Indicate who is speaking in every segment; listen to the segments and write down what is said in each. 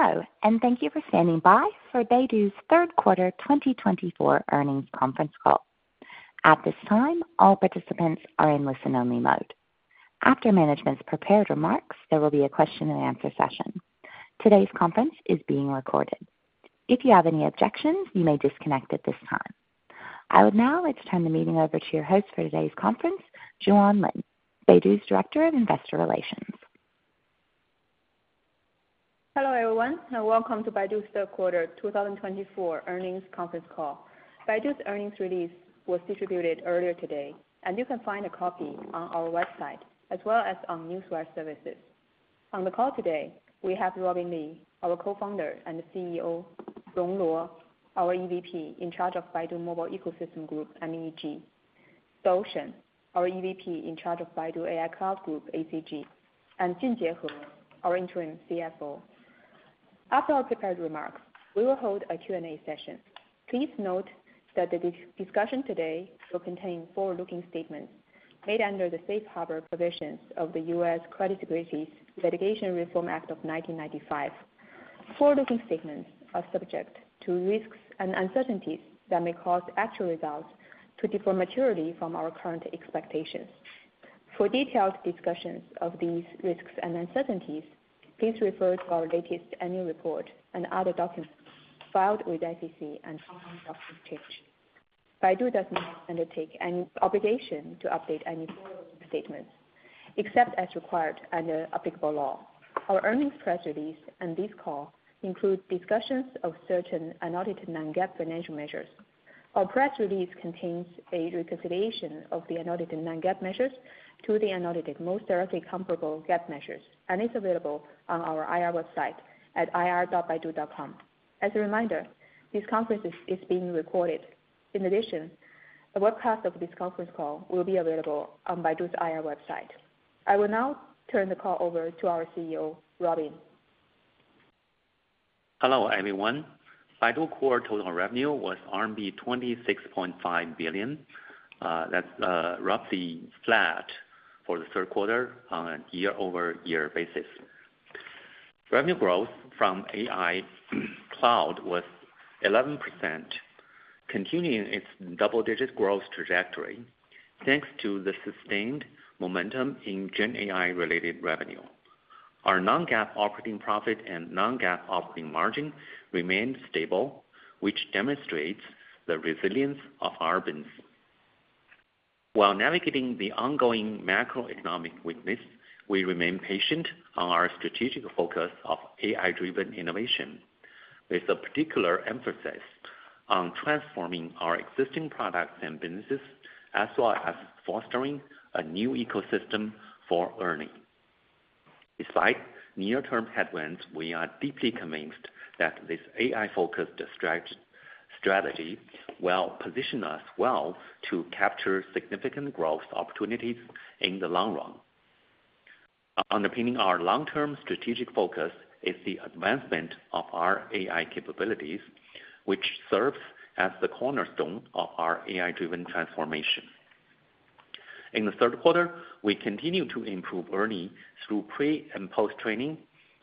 Speaker 1: Hello, and thank you for standing by for Baidu's third quarter 2024 earnings conference call. At this time, all participants are in listen-only mode. After management's prepared remarks, there will be a question-and-answer session. Today's conference is being recorded. If you have any objections, you may disconnect at this time. I would now like to turn the meeting over to your host for today's conference, Juan Lin, Baidu's Director of Investor Relations.
Speaker 2: Hello, everyone, and welcome to Baidu's third quarter 2024 earnings conference call. Baidu's earnings release was distributed earlier today, and you can find a copy on our website as well as on newswire services. On the call today, we have Robin Li, our co-founder and CEO, Rong Luo, our EVP in charge of Baidu Mobile Ecosystem Group, MEG, Dou Shen, our EVP in charge of Baidu AI Cloud Group, ACG, and Junjie He, our interim CFO. After our prepared remarks, we will hold a Q&A session. Please note that the discussion today will contain forward-looking statements made under the Safe Harbor provisions of the U.S. Private Securities Litigation Reform Act of 1995. Forward-looking statements are subject to risks and uncertainties that may cause actual results to differ materially from our current expectations. For detailed discussions of these risks and uncertainties, please refer to our latest annual report and other documents filed with SEC and Hong Kong Stock Exchange. Baidu does not undertake any obligation to update any forward-looking statements, except as required under applicable law. Our earnings press release and this call include discussions of certain unaudited non-GAAP financial measures. Our press release contains a reconciliation of the unaudited non-GAAP measures to the unaudited most directly comparable GAAP measures and is available on our IR website at ir.baidu.com. As a reminder, this conference is being recorded. In addition, a webcast of this conference call will be available on Baidu's IR website. I will now turn the call over to our CEO, Robin.
Speaker 3: Hello, everyone. Baidu's core total revenue was RMB 26.5 billion. That's roughly flat for the third quarter on a year-over-year basis. Revenue growth from AI cloud was 11%, continuing its double-digit growth trajectory thanks to the sustained momentum in GenAI-related revenue. Our non-GAAP operating profit and non-GAAP operating margin remained stable, which demonstrates the resilience of our business. While navigating the ongoing macroeconomic weakness, we remain patient on our strategic focus of AI-driven innovation, with a particular emphasis on transforming our existing products and businesses as well as fostering a new ecosystem for ERNIE. Despite near-term headwinds, we are deeply convinced that this AI-focused strategy will position us well to capture significant growth opportunities in the long run. Underpinning our long-term strategic focus is the advancement of our AI capabilities, which serves as the cornerstone of our AI-driven transformation. In the third quarter, we continue to improve ERNIE through pre- and post-training,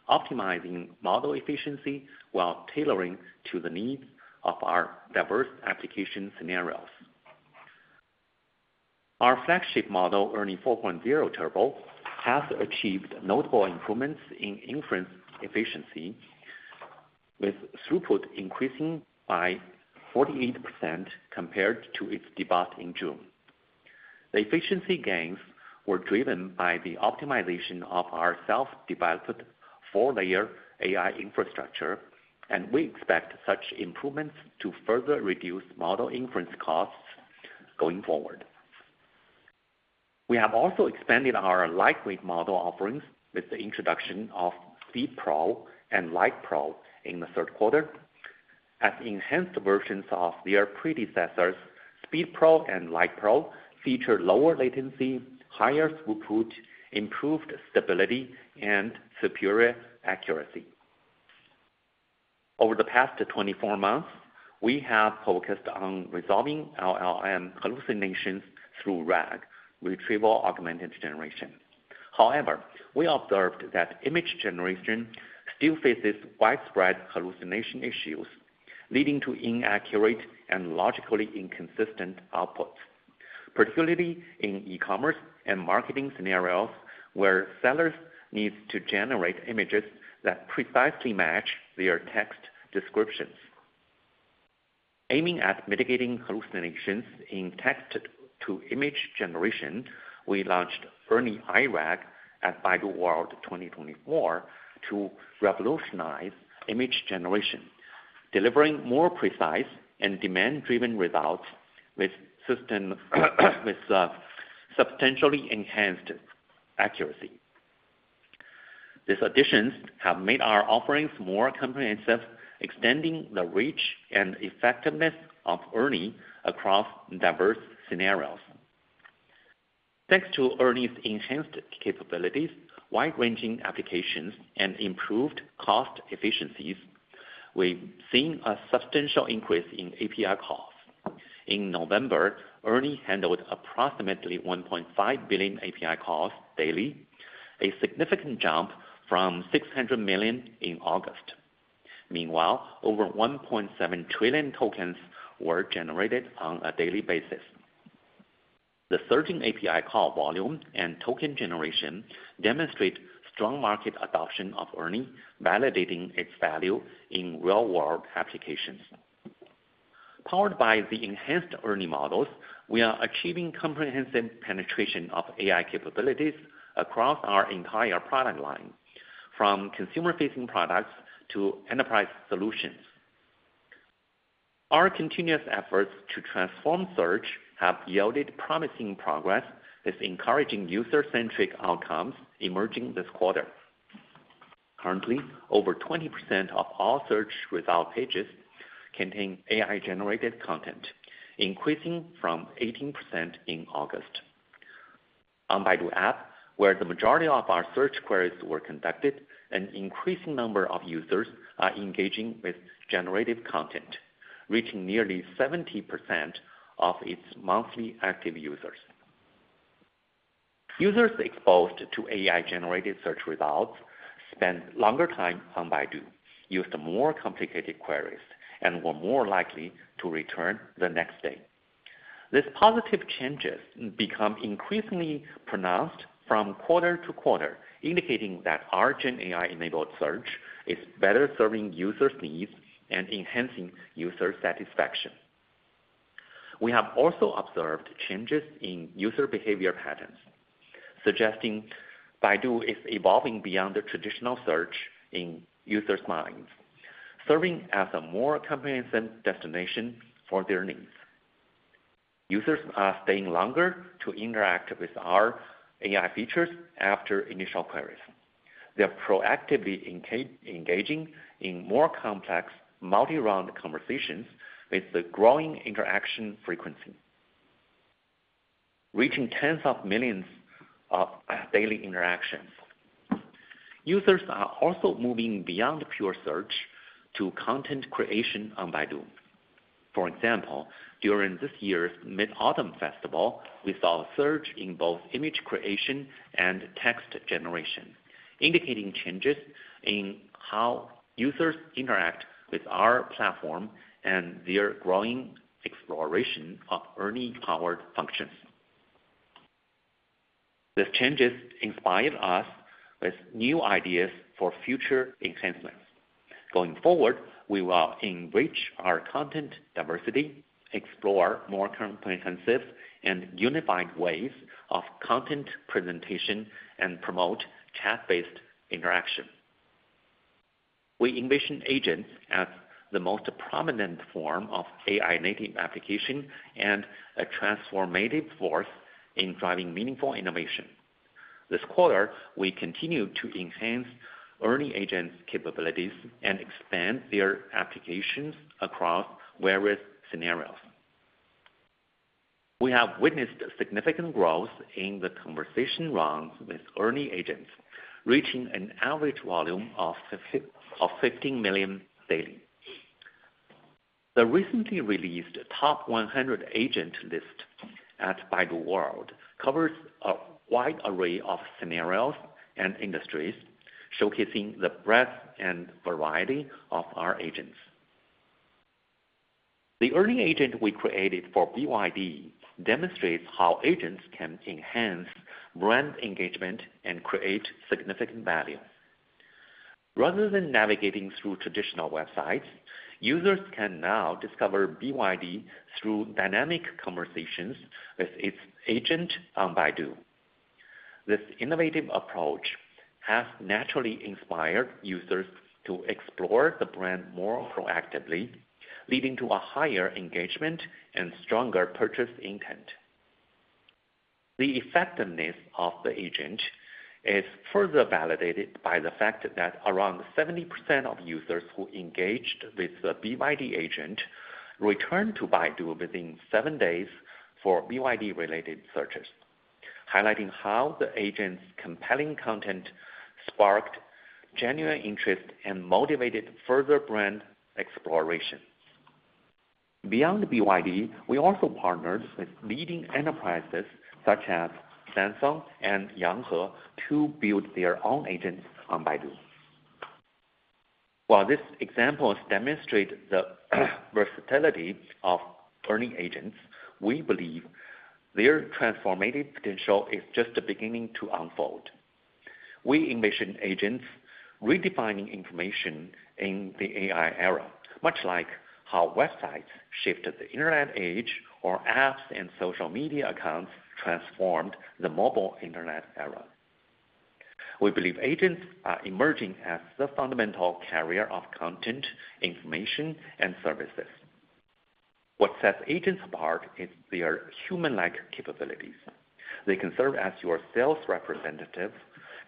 Speaker 3: optimizing model efficiency while tailoring to the needs of our diverse application scenarios. Our flagship model, ERNIE 4.0 Turbo, has achieved notable improvements in inference efficiency, with throughput increasing by 48% compared to its debut in June. The efficiency gains were driven by the optimization of our self-developed four-layer AI infrastructure, and we expect such improvements to further reduce model inference costs going forward. We have also expanded our lightweight model offerings with the introduction of ERNIE Speed Pro and ERNIE Lite Pro in the third quarter. As enhanced versions of their predecessors, ERNIE Speed Pro and ERNIE Lite Pro feature lower latency, higher throughput, improved stability, and superior accuracy. Over the past 24 months, we have focused on resolving LLM hallucinations through RAG, Retrieval Augmented Generation. However, we observed that image generation still faces widespread hallucination issues, leading to inaccurate and logically inconsistent outputs, particularly in e-commerce and marketing scenarios where sellers need to generate images that precisely match their text descriptions. Aiming at mitigating hallucinations in text-to-image generation, we launched ERNIE iRAG at Baidu World 2024 to revolutionize image generation, delivering more precise and demand-driven results with substantially enhanced accuracy. These additions have made our offerings more comprehensive, extending the reach and effectiveness of ERNIE across diverse scenarios. Thanks to ERNIE's enhanced capabilities, wide-ranging applications, and improved cost efficiencies, we've seen a substantial increase in API calls. In November, ERNIE handled approximately 1.5 billion API calls daily, a significant jump from 600 million in August. Meanwhile, over 1.7 trillion tokens were generated on a daily basis. The surging API call volume and token generation demonstrate strong market adoption of ERNIE, validating its value in real-world applications. Powered by the enhanced ERNIE models, we are achieving comprehensive penetration of AI capabilities across our entire product line, from consumer-facing products to enterprise solutions. Our continuous efforts to transform search have yielded promising progress, with encouraging user-centric outcomes emerging this quarter. Currently, over 20% of all search result pages contain AI-generated content, increasing from 18% in August. On Baidu App, where the majority of our search queries were conducted, an increasing number of users are engaging with generative content, reaching nearly 70% of its monthly active users. Users exposed to AI-generated search results spend longer time on Baidu, use the more complicated queries, and were more likely to return the next day. These positive changes become increasingly pronounced from quarter-to-quarter, indicating that our GenAI-enabled search is better serving users' needs and enhancing user satisfaction. We have also observed changes in user behavior patterns, suggesting Baidu is evolving beyond the traditional search in users' minds, serving as a more comprehensive destination for their needs. Users are staying longer to interact with our AI features after initial queries. They're proactively engaging in more complex, multi-round conversations with a growing interaction frequency, reaching tens of millions of daily interactions. Users are also moving beyond pure search to content creation on Baidu. For example, during this year's Mid-Autumn Festival, we saw a surge in both image creation and text generation, indicating changes in how users interact with our platform and their growing exploration of ERNIE-powered functions. These changes inspired us with new ideas for future enhancements. Going forward, we will enrich our content diversity, explore more comprehensive and unified ways of content presentation, and promote chat-based interaction. We envision agents as the most prominent form of AI-native application and a transformative force in driving meaningful innovation. This quarter, we continue to enhance ERNIE agents' capabilities and expand their applications across various scenarios. We have witnessed significant growth in the conversation rounds with ERNIE agents, reaching an average volume of 15 million daily. The recently released Top 100 Agent List at Baidu World covers a wide array of scenarios and industries, showcasing the breadth and variety of our agents. The ERNIE agent we created for BYD demonstrates how agents can enhance brand engagement and create significant value. Rather than navigating through traditional websites, users can now discover BYD through dynamic conversations with its agent on Baidu. This innovative approach has naturally inspired users to explore the brand more proactively, leading to a higher engagement and stronger purchase intent. The effectiveness of the agent is further validated by the fact that around 70% of users who engaged with the BYD agent returned to Baidu within seven days for BYD-related searches, highlighting how the agent's compelling content sparked genuine interest and motivated further brand exploration. Beyond BYD, we also partnered with leading enterprises such as Samsung and Yahoo to build their own agents on Baidu. While these examples demonstrate the versatility of ERNIE agents, we believe their transformative potential is just beginning to unfold. We envision agents redefining information in the AI era, much like how websites shifted the Internet age, or apps and social media accounts transformed the mobile Internet era. We believe agents are emerging as the fundamental carrier of content, information, and services. What sets agents apart is their human-like capabilities. They can serve as your sales representative,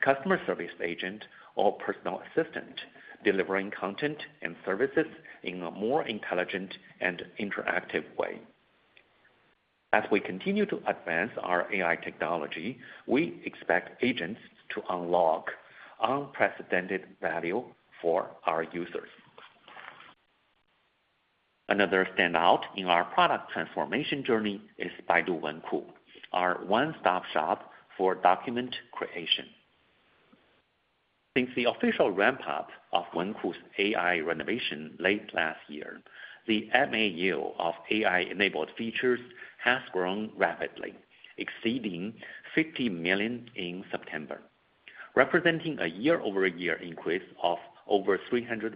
Speaker 3: customer service agent, or personal assistant, delivering content and services in a more intelligent and interactive way. As we continue to advance our AI technology, we expect agents to unlock unprecedented value for our users. Another standout in our product transformation journey is Baidu Wenku, our one-stop shop for document creation. Since the official ramp-up of Wenku's AI renovation late last year, the MAU of AI-enabled features has grown rapidly, exceeding 50 million in September, representing a year-over-year increase of over 300%.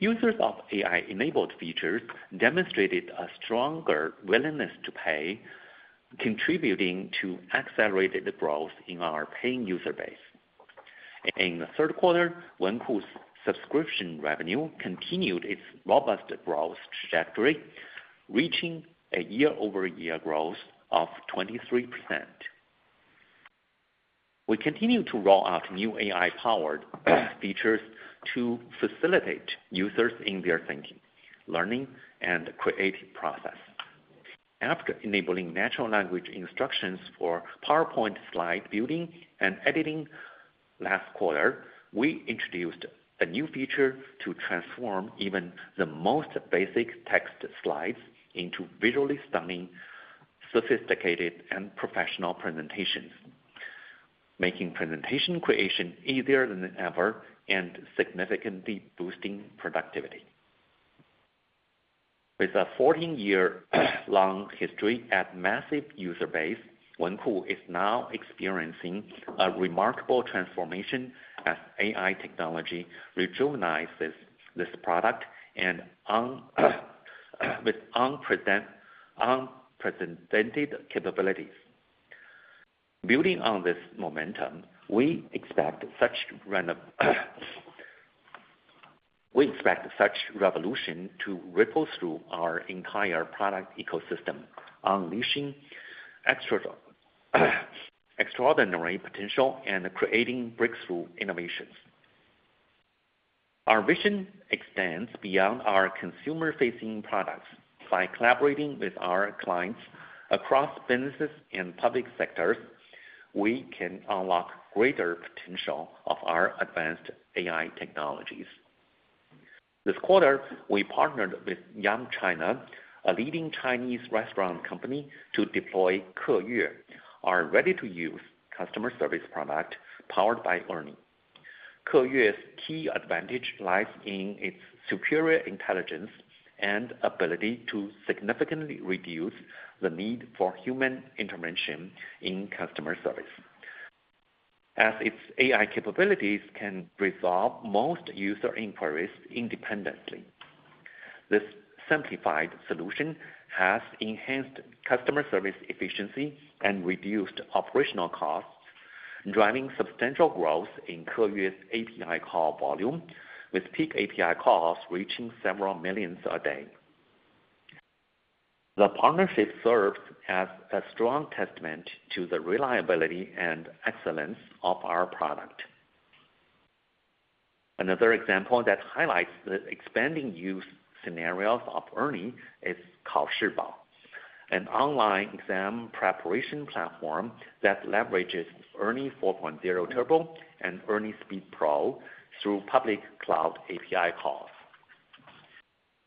Speaker 3: Users of AI-enabled features demonstrated a stronger willingness to pay, contributing to accelerated growth in our paying user base. In the third quarter, Wenku's subscription revenue continued its robust growth trajectory, reaching a year-over-year growth of 23%. We continue to roll out new AI-powered features to facilitate users in their thinking, learning, and creative process. After enabling natural language instructions for PowerPoint slide building and editing last quarter, we introduced a new feature to transform even the most basic text slides into visually stunning, sophisticated, and professional presentations, making presentation creation easier than ever and significantly boosting productivity. With a 14-year-long history and massive user base, Wenku is now experiencing a remarkable transformation as AI technology rejuvenates this product with unprecedented capabilities. Building on this momentum, we expect such revolution to ripple through our entire product ecosystem, unleashing extraordinary potential and creating breakthrough innovations. Our vision extends beyond our consumer-facing products. By collaborating with our clients across businesses and public sectors, we can unlock greater potential of our advanced AI technologies. This quarter, we partnered with Yum China, a leading Chinese restaurant company, to deploy Keyue, our ready-to-use customer service product powered by ERNIE. Keyue's key advantage lies in its superior intelligence and ability to significantly reduce the need for human intervention in customer service, as its AI capabilities can resolve most user inquiries independently. This simplified solution has enhanced customer service efficiency and reduced operational costs, driving substantial growth in Keyue's API call volume, with peak API calls reaching several millions a day. The partnership serves as a strong testament to the reliability and excellence of our product. Another example that highlights the expanding use scenarios of ERNIE is Kaoshibao, an online exam preparation platform that leverages ERNIE 4.0 Turbo and ERNIE Speed Pro through public cloud API calls.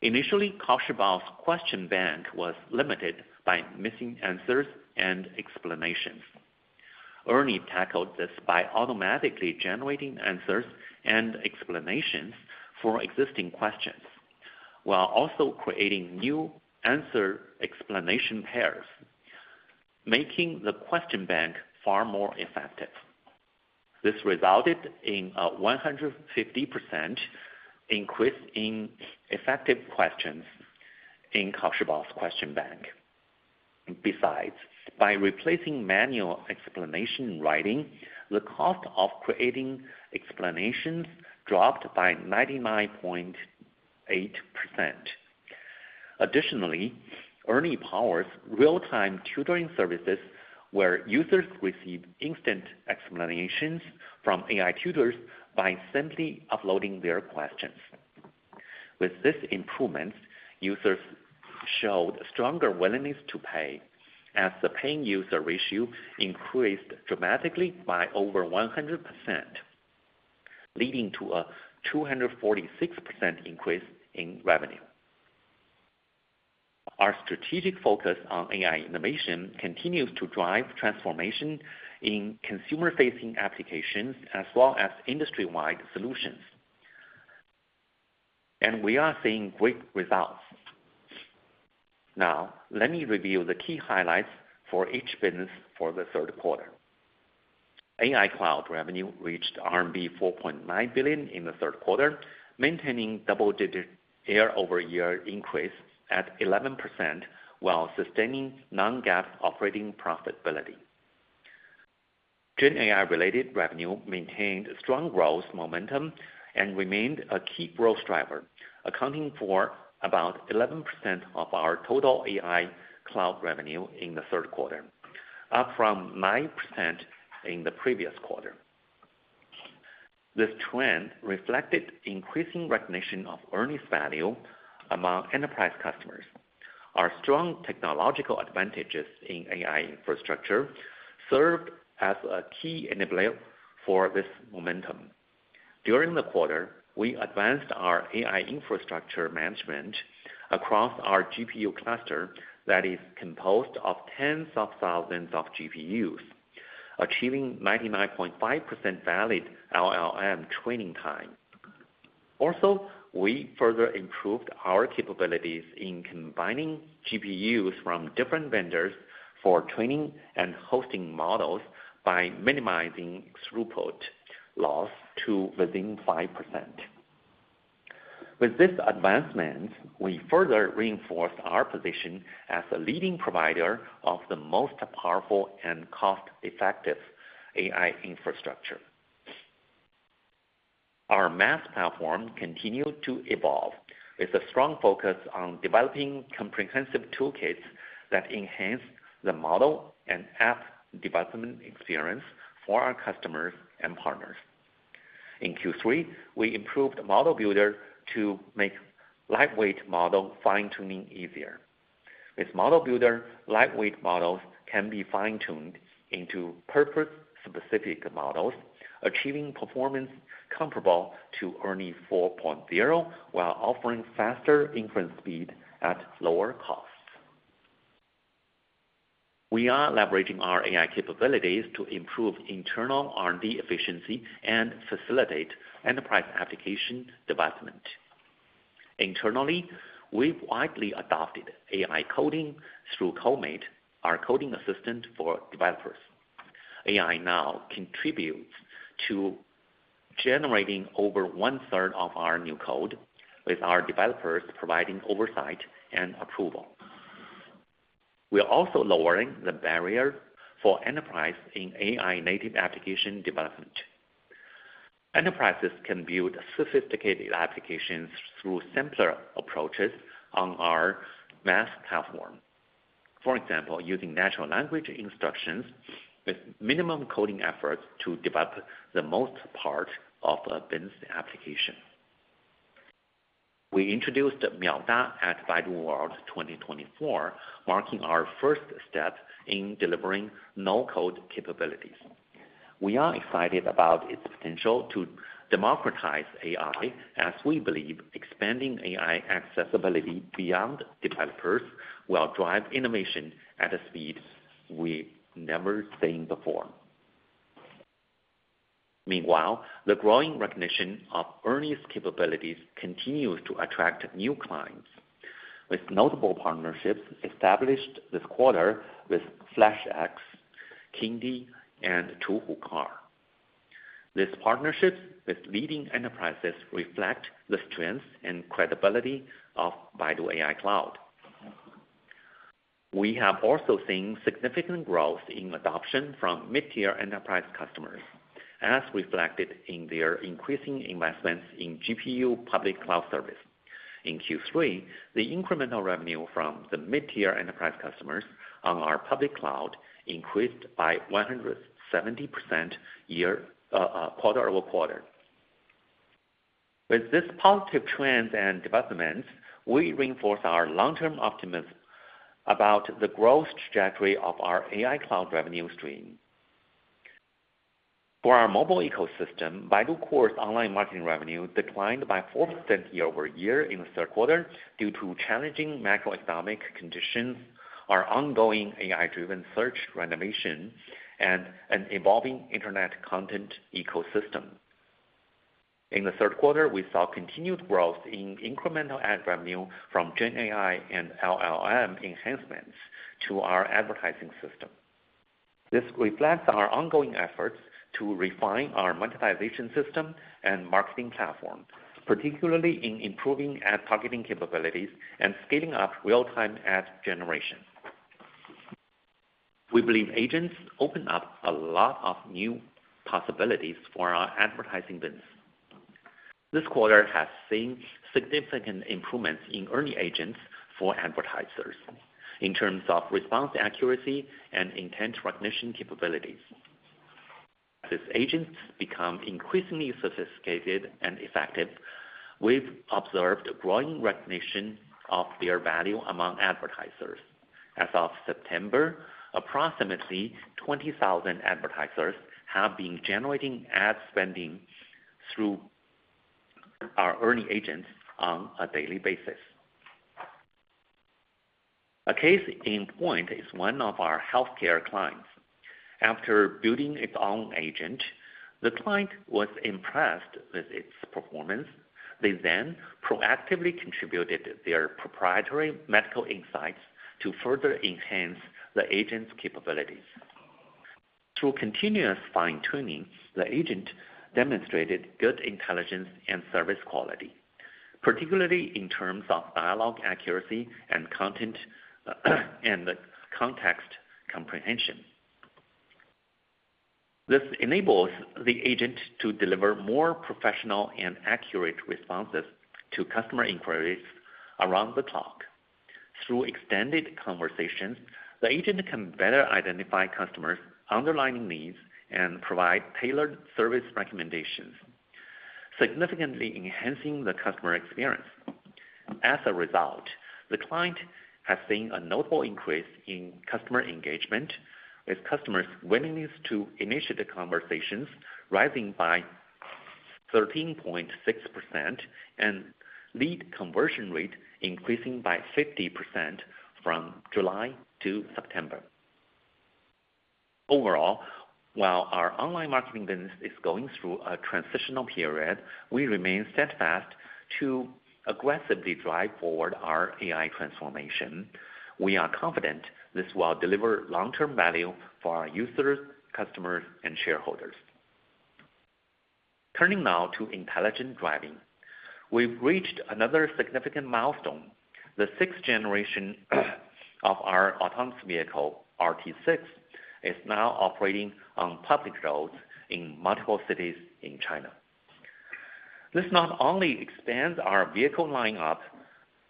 Speaker 3: Initially, Kaoshibao's question bank was limited by missing answers and explanations. ERNIE tackled this by automatically generating answers and explanations for existing questions while also creating new answer-explanation pairs, making the question bank far more effective. This resulted in a 150% increase in effective questions in Kaoshibao's question bank. Besides, by replacing manual explanation writing, the cost of creating explanations dropped by 99.8%. Additionally, ERNIE powers real-time tutoring services, where users receive instant explanations from AI tutors by simply uploading their questions. With these improvements, users showed stronger willingness to pay, as the paying user ratio increased dramatically by over 100%, leading to a 246% increase in revenue. Our strategic focus on AI innovation continues to drive transformation in consumer-facing applications as well as industry-wide solutions, and we are seeing great results. Now, let me review the key highlights for each business for the third quarter. AI Cloud revenue reached RMB 4.9 billion in the third quarter, maintaining double-digit year-over-year increase at 11% while sustaining non-GAAP operating profitability. GenAI-related revenue maintained strong growth momentum and remained a key growth driver, accounting for about 11% of our total AI Cloud revenue in the third quarter, up from 9% in the previous quarter. This trend reflected increasing recognition of ERNIE's value among enterprise customers. Our strong technological advantages in AI infrastructure served as a key enabler for this momentum. During the quarter, we advanced our AI infrastructure management across our GPU cluster that is composed of tens of thousands of GPUs, achieving 99.5% valid LLM training time. Also, we further improved our capabilities in combining GPUs from different vendors for training and hosting models by minimizing throughput loss to within 5%. With this advancement, we further reinforced our position as a leading provider of the most powerful and cost-effective AI infrastructure. Our MaaS platform continued to evolve with a strong focus on developing comprehensive toolkits that enhance the model and app development experience for our customers and partners. In Q3, we improved ModelBuilder to make lightweight model fine-tuning easier. With ModelBuilder, lightweight models can be fine-tuned into purpose-specific models, achieving performance comparable to ERNIE 4.0 while offering faster inference speed at lower costs. We are leveraging our AI capabilities to improve internal R&D efficiency and facilitate enterprise application development. Internally, we've widely adopted AI coding through Comate, our coding assistant for developers. AI now contributes to generating over one-third of our new code, with our developers providing oversight and approval. We are also lowering the barrier for enterprise in AI-native application development. Enterprises can build sophisticated applications through simpler approaches on our MaaS platform, for example, using natural language instructions with minimum coding efforts to develop the most part of a business application. We introduced Miaoda at Baidu World 2024, marking our first step in delivering no-code capabilities. We are excited about its potential to democratize AI, as we believe expanding AI accessibility beyond developers will drive innovation at a speed we've never seen before. Meanwhile, the growing recognition of ERNIE's capabilities continues to attract new clients, with notable partnerships established this quarter with FlashEx, Kingdee, and Tuhu Car. These partnerships with leading enterprises reflect the strengths and credibility of Baidu AI Cloud. We have also seen significant growth in adoption from mid-tier enterprise customers, as reflected in their increasing investments in GPU public cloud service. In Q3, the incremental revenue from the mid-tier enterprise customers on our public cloud increased by 170% quarter-over-quarter. With these positive trends and developments, we reinforce our long-term optimism about the growth trajectory of our AI cloud revenue stream. For our mobile ecosystem, Baidu Core's online marketing revenue declined by 4% year-over-year in the third quarter due to challenging macroeconomic conditions, our ongoing AI-driven search renovation, and an evolving internet content ecosystem. In the third quarter, we saw continued growth in incremental ad revenue from GenAI and LLM enhancements to our advertising system. This reflects our ongoing efforts to refine our monetization system and marketing platform, particularly in improving ad targeting capabilities and scaling up real-time ad generation. We believe agents open up a lot of new possibilities for our advertising business. This quarter has seen significant improvements in ERNIE agents for advertisers in terms of response accuracy and intent recognition capabilities. As these agents become increasingly sophisticated and effective, we've observed a growing recognition of their value among advertisers. As of September, approximately 20,000 advertisers have been generating ad spending through our ERNIE agents on a daily basis. A case in point is one of our healthcare clients. After building its own agent, the client was impressed with its performance. They then proactively contributed their proprietary medical insights to further enhance the agent's capabilities. Through continuous fine-tuning, the agent demonstrated good intelligence and service quality, particularly in terms of dialogue accuracy and context comprehension. This enables the agent to deliver more professional and accurate responses to customer inquiries around the clock. Through extended conversations, the agent can better identify customers' underlying needs and provide tailored service recommendations, significantly enhancing the customer experience. As a result, the client has seen a notable increase in customer engagement, with customers' willingness to initiate the conversations rising by 13.6% and lead conversion rate increasing by 50% from July to September. Overall, while our online marketing business is going through a transitional period, we remain steadfast to aggressively drive forward our AI transformation. We are confident this will deliver long-term value for our users, customers, and shareholders. Turning now to intelligent driving, we've reached another significant milestone. The sixth generation of our autonomous vehicle, RT6, is now operating on public roads in multiple cities in China. This not only expands our vehicle lineup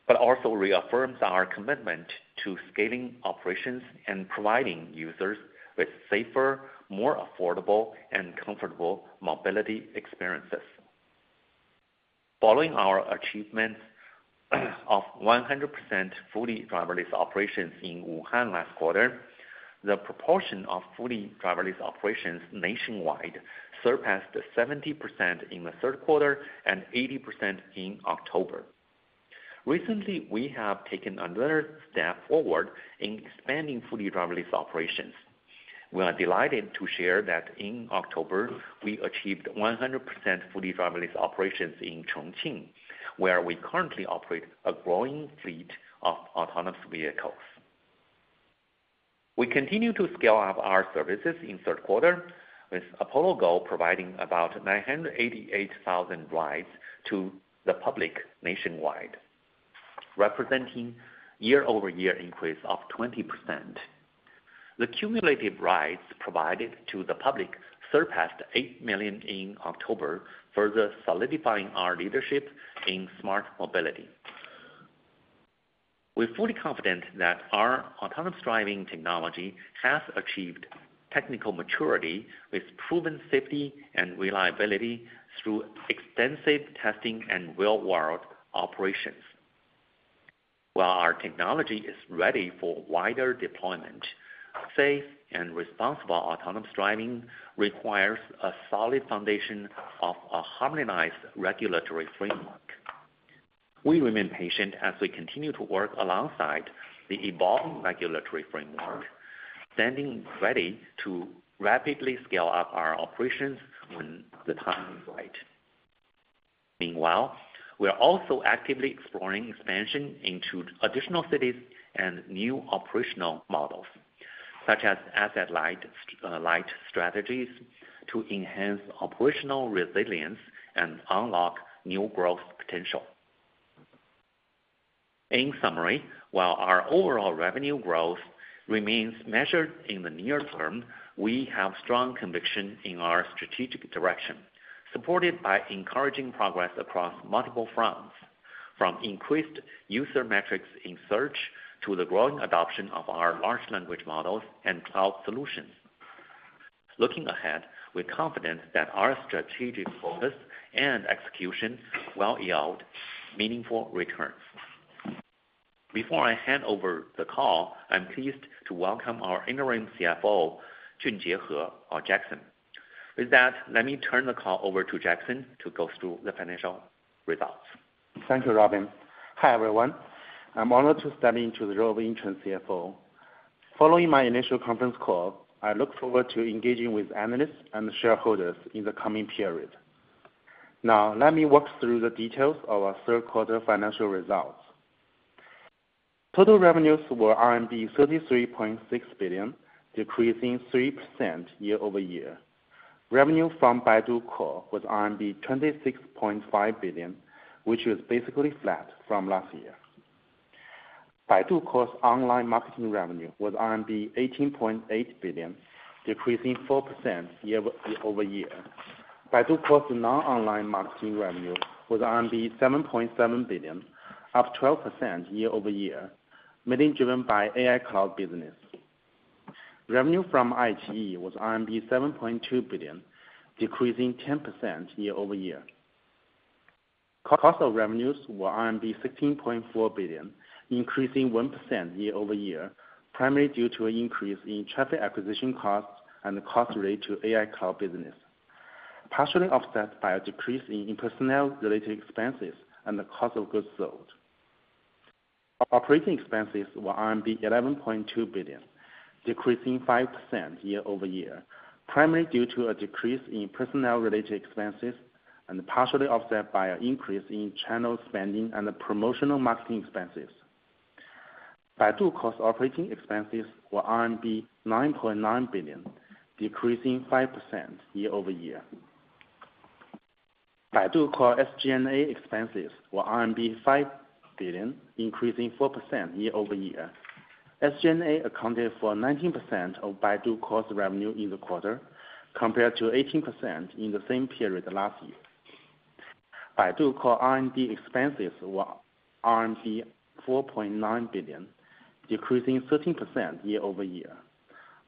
Speaker 3: but also reaffirms our commitment to scaling operations and providing users with safer, more affordable, and comfortable mobility experiences. Following our achievement of 100% fully driverless operations in Wuhan last quarter, the proportion of fully driverless operations nationwide surpassed 70% in the third quarter and 80% in October. Recently, we have taken another step forward in expanding fully driverless operations. We are delighted to share that in October, we achieved 100% fully driverless operations in Chongqing, where we currently operate a growing fleet of autonomous vehicles. We continue to scale up our services in the third quarter, with Apollo Go providing about 988,000 rides to the public nationwide, representing a year-over-year increase of 20%. The cumulative rides provided to the public surpassed 8 million in October, further solidifying our leadership in smart mobility. We're fully confident that our autonomous driving technology has achieved technical maturity with proven safety and reliability through extensive testing and real-world operations. While our technology is ready for wider deployment, safe and responsible autonomous driving requires a solid foundation of a harmonized regulatory framework. We remain patient as we continue to work alongside the evolving regulatory framework, standing ready to rapidly scale up our operations when the time is right. Meanwhile, we are also actively exploring expansion into additional cities and new operational models, such as asset-light strategies, to enhance operational resilience and unlock new growth potential. In summary, while our overall revenue growth remains measured in the near term, we have strong conviction in our strategic direction, supported by encouraging progress across multiple fronts, from increased user metrics in search to the growing adoption of our large language models and cloud solutions. Looking ahead, we're confident that our strategic focus and execution will yield meaningful returns. Before I hand over the call, I'm pleased to welcome our interim CFO, Junjie He, or Jackson. With that, let me turn the call over to Jackson to go through the financial results.
Speaker 4: Thank you, Robin. Hi everyone. I'm honored to step into the role of interim CFO. Following my initial conference call, I look forward to engaging with analysts and shareholders in the coming period. Now, let me walk through the details of our third quarter financial results. Total revenues were RMB 33.6 billion, decreasing 3% year-over-year. Revenue from Baidu Core was RMB 26.5 billion, which was basically flat from last year. Baidu Core's online marketing revenue was RMB 18.8 billion, decreasing 4% year-over-year. Baidu Core's non-online marketing revenue was RMB 7.7 billion, up 12% year-over-year, mainly driven by AI cloud business. Revenue from iQIYI was RMB 7.2 billion, decreasing 10% year-over-year. Cost of revenues were RMB 16.4 billion, increasing 1% year-over-year, primarily due to an increase in traffic acquisition costs and the cost rate to AI cloud business, partially offset by a decrease in personnel-related expenses and the cost of goods sold. Operating expenses were RMB 11.2 billion, decreasing 5% year-over-year, primarily due to a decrease in personnel-related expenses and partially offset by an increase in channel spending and promotional marketing expenses. Baidu Core's operating expenses were CNY 9.9 billion, decreasing 5% year-over-year. Baidu Core's SG&A expenses were CNY 5 billion, increasing 4% year-over-year. SG&A accounted for 19% of Baidu Core's revenue in the quarter, compared to 18% in the same period last year. Baidu Core's R&D expenses were RMB 4.9 billion, decreasing 13% year-over-year.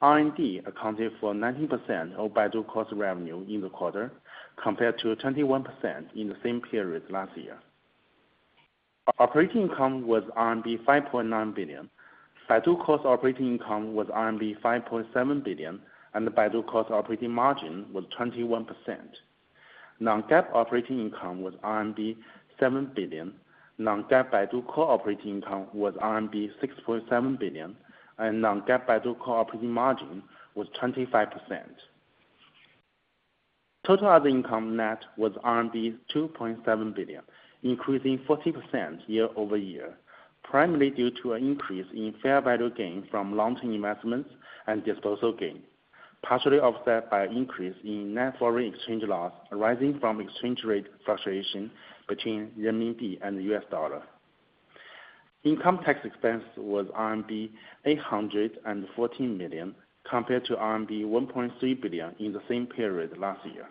Speaker 4: R&D accounted for 19% of Baidu Core's revenue in the quarter, compared to 21% in the same period last year. Operating income was RMB 5.9 billion. Baidu Core's operating income was RMB 5.7 billion, and Baidu Core's operating margin was 21%. Non-GAAP operating income was RMB 7 billion. Non-GAAP Baidu Core operating income was RMB 6.7 billion, and Non-GAAP Baidu Core operating margin was 25%. Total other income net was RMB 2.7 billion, increasing 40% year-over-year, primarily due to an increase in fair value gain from long-term investments and disposal gain, partially offset by an increase in net foreign exchange loss arising from exchange rate fluctuation between RMB and USD. Income tax expense was RMB 814 million, compared to RMB 1.3 billion in the same period last year.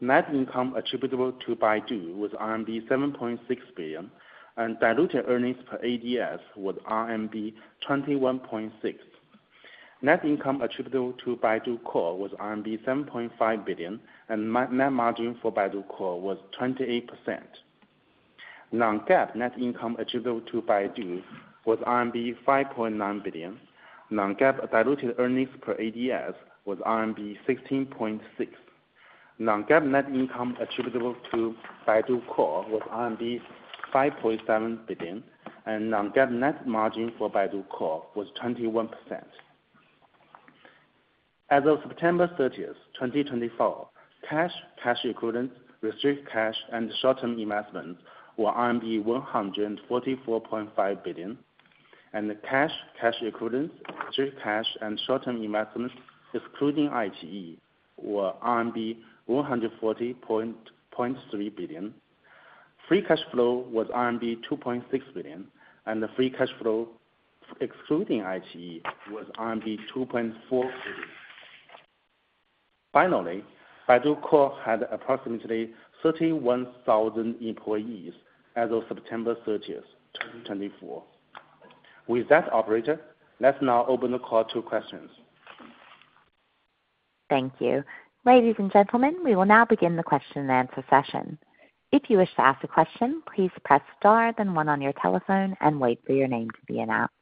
Speaker 4: Net income attributable to Baidu was RMB 7.6 billion, and diluted earnings per ADS was RMB 21.6. Net income attributable to Baidu Core was RMB 7.5 billion, and net margin for Baidu Core was 28%. Non-GAAP net income attributable to Baidu was RMB 5.9 billion. Non-GAAP diluted earnings per ADS was RMB 16.6. Non-GAAP net income attributable to Baidu Core was RMB 5.7 billion, and Non-GAAP net margin for Baidu Core was 21%. As of September 30, 2024, cash, cash equivalent, restricted cash, and short-term investments were RMB 144.5 billion, and cash, cash equivalent, restricted cash, and short-term investments, excluding iQIYI, were RMB 140.3 billion. Free cash flow was RMB 2.6 billion, and the free cash flow, excluding iQIYI, was RMB 2.4 billion. Finally, Baidu Core had approximately 31,000 employees as of September 30, 2024. With that, operator, let's now open the call to questions.
Speaker 1: Thank you. Ladies and gentlemen, we will now begin the question and answer session. If you wish to ask a question, please press star then one on your telephone and wait for your name to be announced.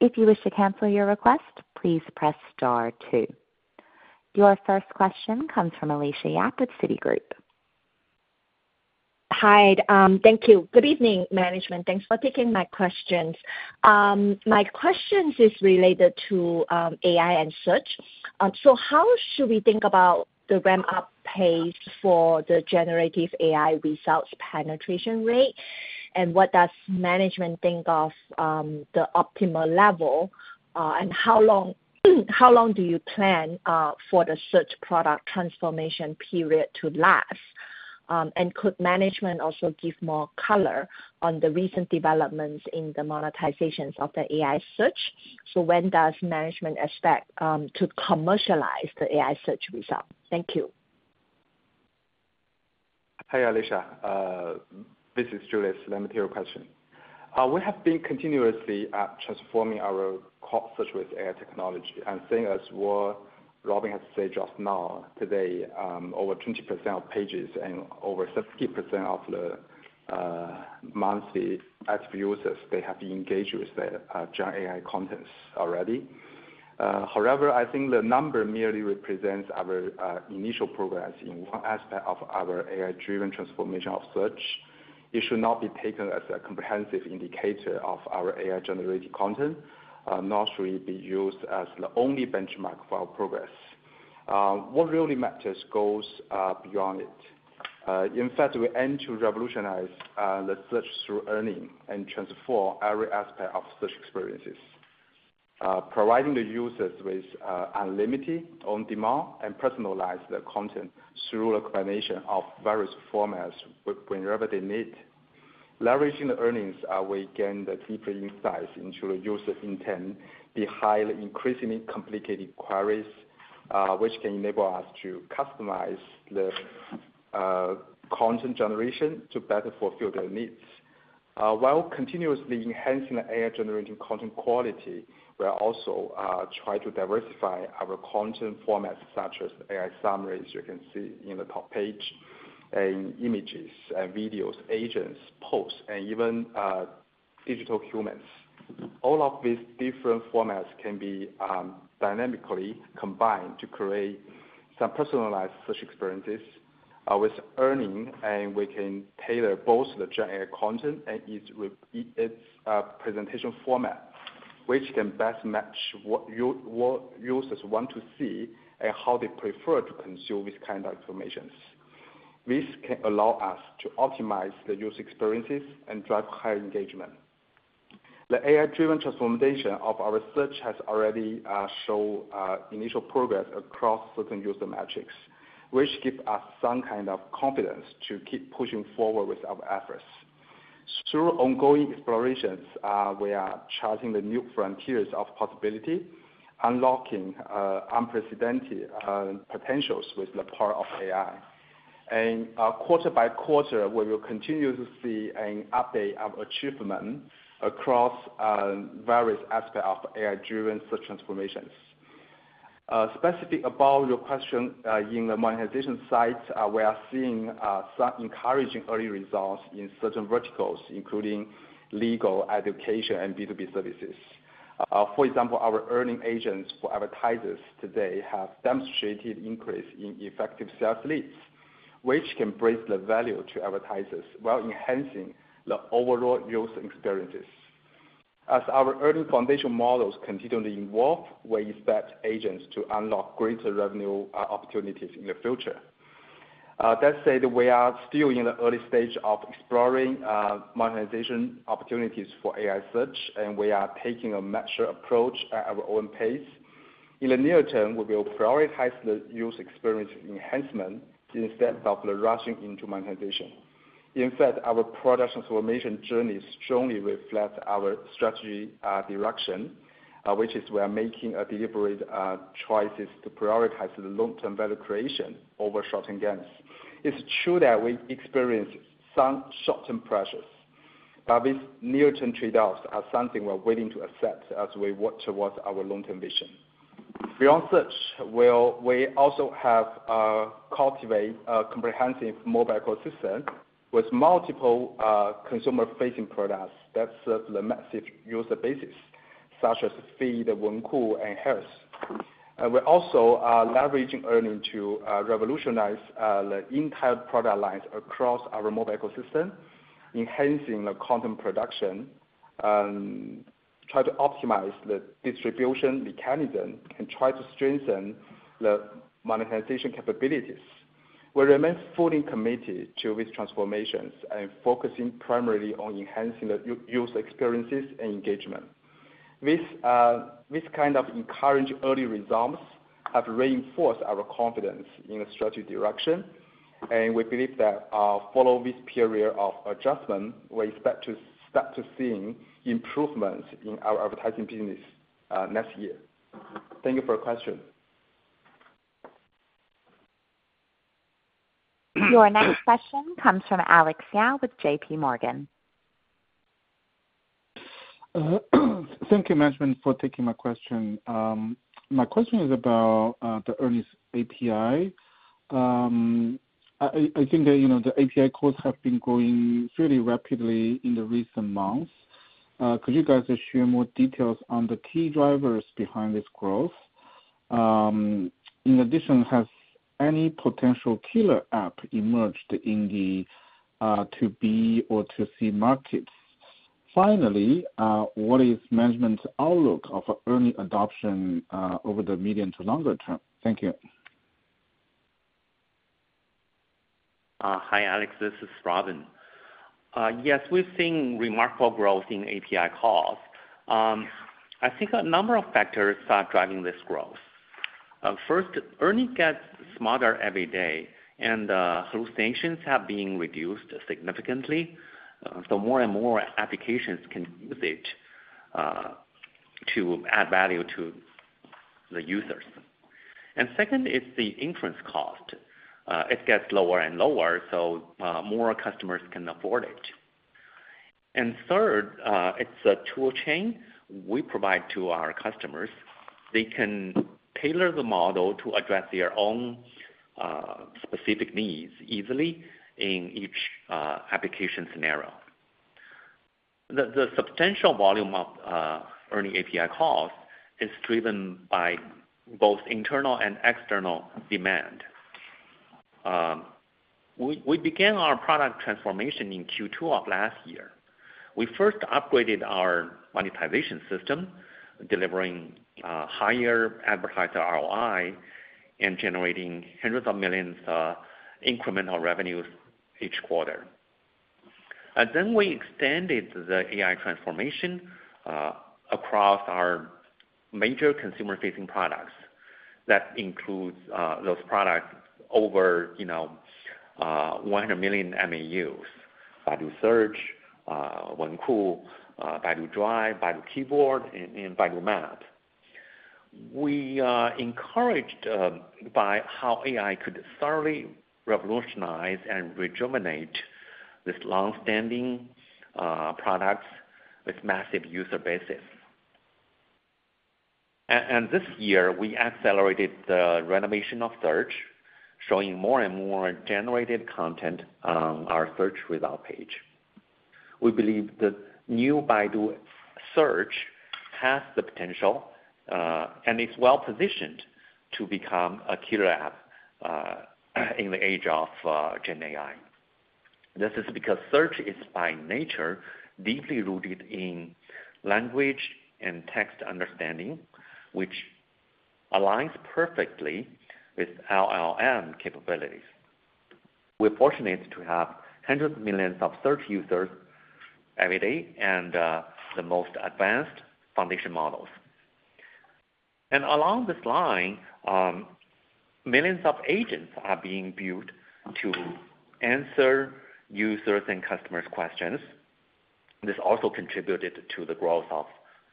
Speaker 1: If you wish to cancel your request, please press star two. Your first question comes from Alicia Yap at Citigroup.
Speaker 5: Hi. Thank you. Good evening, management. Thanks for taking my questions. My question is related to AI and search. So how should we think about the ramp-up pace for the generative AI results penetration rate, and what does management think of the optimal level, and how long do you plan for the search product transformation period to last? And could management also give more color on the recent developments in the monetizations of the AI search? So when does management expect to commercialize the AI search result? Thank you.
Speaker 6: Hi, Alicia. This is Julius. Let me take your question. We have been continuously transforming our search with AI technology. And same as Robin has said just now, today, over 20% of pages and over 70% of the monthly active users, they have engaged with the generative AI contents already. However, I think the number merely represents our initial progress in one aspect of our AI-driven transformation of search. It should not be taken as a comprehensive indicator of our AI-generated content, nor should it be used as the only benchmark for our progress. What really matters goes beyond it. In fact, we aim to revolutionize the search through ERNIE and transform every aspect of search experiences, providing the users with unlimited, on-demand, and personalized content through a combination of various formats whenever they need. Leveraging the ERNIE, we gain the deeper insights into the user intent, the highly increasingly complicated queries, which can enable us to customize the content generation to better fulfill their needs. While continuously enhancing the AI-generated content quality, we also try to diversify our content formats, such as AI summaries, you can see in the top page, and images and videos, agents, posts, and even digital humans. All of these different formats can be dynamically combined to create some personalized search experiences with ERNIE, and we can tailor both the generative content and its presentation format, which can best match what users want to see and how they prefer to consume this kind of information. This can allow us to optimize the user experiences and drive higher engagement. The AI-driven transformation of our search has already shown initial progress across certain user metrics, which gives us some kind of confidence to keep pushing forward with our efforts. Through ongoing explorations, we are charting the new frontiers of possibility, unlocking unprecedented potentials with the power of AI. Quarter-by-quarter, we will continue to see an update of achievement across various aspects of AI-driven search transformations. Specifically about your question in the monetization side, we are seeing some encouraging early results in certain verticals, including legal, education, and B2B services. For example, our ERNIE agents for advertisers today have demonstrated an increase in effective sales leads, which can bridge the value to advertisers while enhancing the overall user experiences. As our ERNIE foundation models continue to evolve, we expect agents to unlock greater revenue opportunities in the future. That said, we are still in the early stage of exploring monetization opportunities for AI search, and we are taking a mature approach at our own pace. In the near term, we will prioritize the user experience enhancement instead of the rushing into monetization. In fact, our product transformation journey strongly reflects our strategy direction, which is we are making deliberate choices to prioritize the long-term value creation over short-term gains. It's true that we experience some short-term pressures, but these near-term trade-offs are something we're willing to accept as we work towards our long-term vision. Beyond search, we also have cultivated a comprehensive mobile ecosystem with multiple consumer-facing products that serve the massive user bases, such as feed, Wenku, and health. We're also leveraging ERNIE to revolutionize the entire product lines across our mobile ecosystem, enhancing the content production, trying to optimize the distribution mechanism, and trying to strengthen the monetization capabilities. We remain fully committed to these transformations and focusing primarily on enhancing the user experiences and engagement. This kind of encouraged early results has reinforced our confidence in the strategy direction, and we believe that following this period of adjustment, we expect to start seeing improvements in our advertising business next year. Thank you for your question.
Speaker 1: Your next question comes from Alex Yao with JPMorgan.
Speaker 7: Thank you, management, for taking my question. My question is about the ERNIE API. I think the API calls have been growing fairly rapidly in the recent months. Could you guys share more details on the key drivers behind this growth? In addition, has any potential killer app emerged in the to-B or to-C markets? Finally, what is management's outlook of ERNIE adoption over the medium to longer term? Thank you.
Speaker 3: Hi, Alex. This is Robin. Yes, we've seen remarkable growth in API calls. I think a number of factors are driving this growth. First, ERNIE gets smarter every day, and hallucinations have been reduced significantly, so more and more applications can use it to add value to the users. And second, it's the inference cost. It gets lower and lower, so more customers can afford it. And third, it's a tool chain we provide to our customers. They can tailor the model to address their own specific needs easily in each application scenario. The substantial volume of ERNIE API calls is driven by both internal and external demand. We began our product transformation in Q2 of last year. We first upgraded our monetization system, delivering higher advertiser ROI and generating hundreds of millions of incremental revenues each quarter. Then we extended the AI transformation across our major consumer-facing products. That includes those products over 100 million MAUs: Baidu Search, Wenku, Baidu Drive, Baidu Keyboard, and Baidu Map. We are encouraged by how AI could thoroughly revolutionize and rejuvenate these long-standing products with massive user bases. And this year, we accelerated the renovation of search, showing more and more generated content on our search result page. We believe the new Baidu Search has the potential and is well-positioned to become a killer app in the age of GenAI. This is because search is by nature deeply rooted in language and text understanding, which aligns perfectly with LLM capabilities. We're fortunate to have hundreds of millions of search users every day and the most advanced foundation models. And along this line, millions of agents are being built to answer users' and customers' questions. This also contributed to the growth of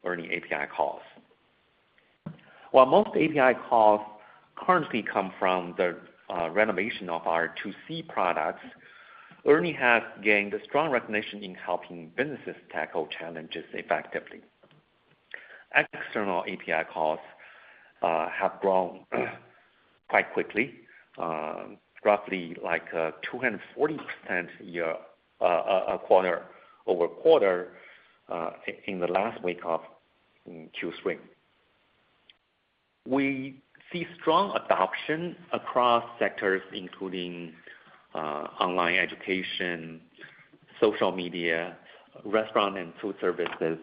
Speaker 3: ERNIE API calls. While most API calls currently come from the renovation of our 2C products, ERNIE has gained strong recognition in helping businesses tackle challenges effectively. External API calls have grown quite quickly, roughly like 240% quarter-over-quarter in the last week of Q3. We see strong adoption across sectors, including online education, social media, restaurant and food services,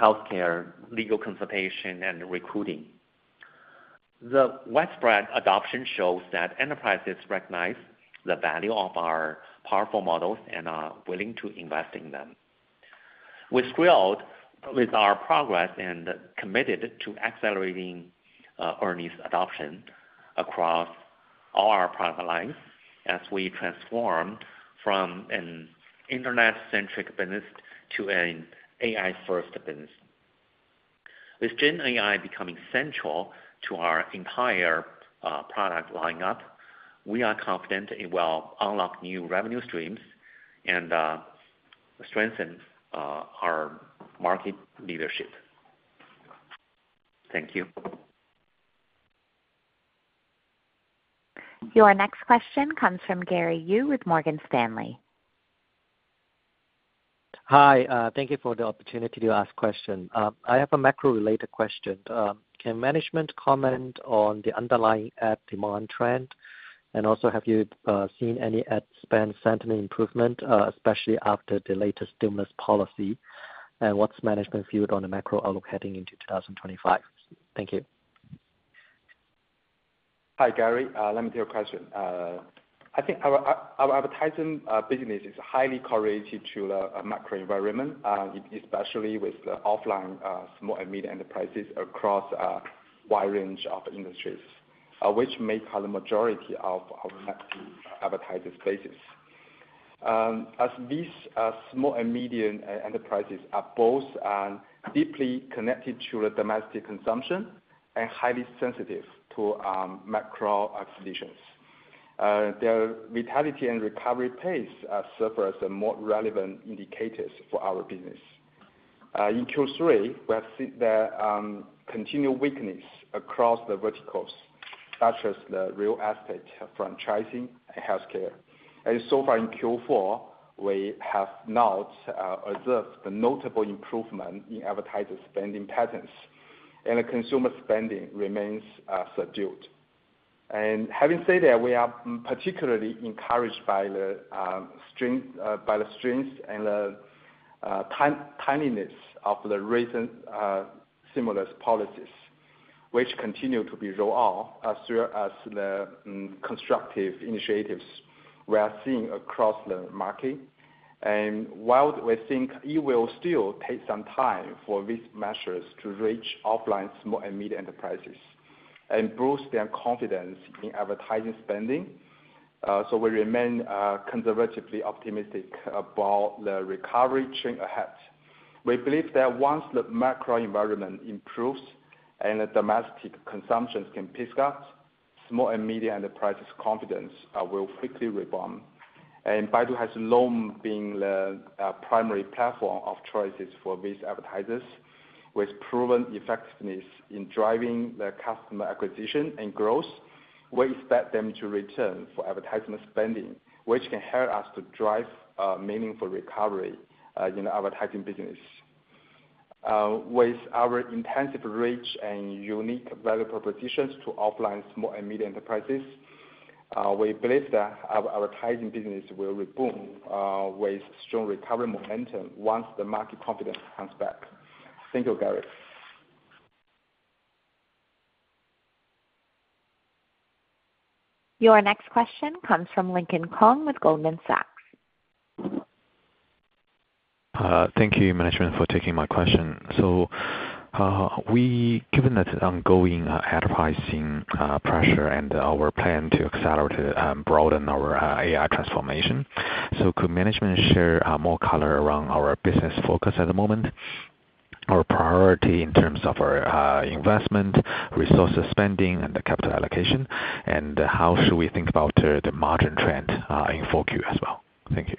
Speaker 3: healthcare, legal consultation, and recruiting. The widespread adoption shows that enterprises recognize the value of our powerful models and are willing to invest in them. We're thrilled with our progress and committed to accelerating ERNIE adoption across all our product lines as we transform from an internet-centric business to an AI-first business. With GenAI becoming central to our entire product lineup, we are confident it will unlock new revenue streams and strengthen our market leadership.
Speaker 7: Thank you.
Speaker 1: Your next question comes from Gary Yu with Morgan Stanley.
Speaker 8: Hi. Thank you for the opportunity to ask a question. I have a macro-related question. Can management comment on the underlying ad demand trend? Also, have you seen any ad spend sentiment improvement, especially after the latest stimulus policy? And what's management's view on the macro outlook into 2025? Thank you.
Speaker 4: Hi, Gary. Let me take your question. I think our advertising business is highly correlated to the macro environment, especially with the offline small and medium enterprises across a wide range of industries, which make up the majority of our advertising spaces. As these small and medium enterprises are both deeply connected to the domestic consumption and highly sensitive to macro conditions, their vitality and recovery pace serve as more relevant indicators for our business. In Q3, we have seen the continued weakness across the verticals, such as the real estate franchising and healthcare. So far, in Q4, we have not observed the notable improvement in advertiser spending patterns, and consumer spending remains subdued. Having said that, we are particularly encouraged by the strength and the timeliness of the recent stimulus policies, which continue to be rolled out as the constructive initiatives we are seeing across the market. While we think it will still take some time for these measures to reach offline small and medium enterprises and boost their confidence in advertising spending, we remain conservatively optimistic about the recovery trend ahead. We believe that once the macro environment improves and domestic consumption can pick up, small and medium enterprises' confidence will quickly rebound. Baidu has long been the primary platform of choices for these advertisers, with proven effectiveness in driving the customer acquisition and growth. We expect them to return for advertisement spending, which can help us to drive meaningful recovery in the advertising business. With our intensive reach and unique value propositions to offline small and medium enterprises, we believe that our advertising business will rebound with strong recovery momentum once the market confidence comes back. Thank you, Gary. Your next question comes from Lincoln Kong with Goldman Sachs.
Speaker 9: Thank you, management, for taking my question. So given that ongoing advertising pressure and our plan to accelerate and broaden our AI transformation, could management share more color around our business focus at the moment, our priority in terms of our investment, resource spending, and the capital allocation, and how should we think about the margin trend in focus as well? Thank you.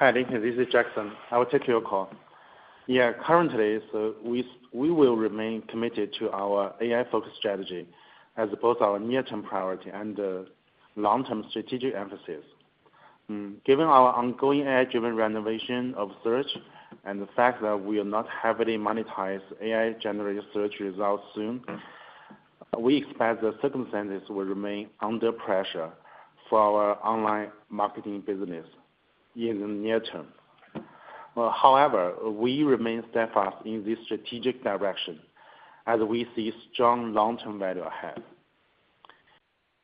Speaker 1: Hi, Lincoln. This is Jackson. I will take your call. Yeah, currently, we will remain committed to our AI-focused strategy as both our near-term priority and long-term strategic emphasis. Given our ongoing AI-driven renovation of search and the fact that we will not heavily monetize AI-generated search results soon, we expect the circumstances will remain under pressure for our online marketing business in the near term. However, we remain steadfast in this strategic direction as we see strong long-term value ahead.